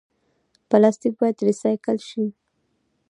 پلاستیک باید ریسایکل شي